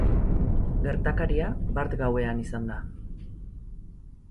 Gertakaria bart gauean izan da.